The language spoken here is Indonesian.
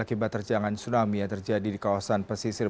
akibat terjangan tsunami yang terjadi di kawasan pesisir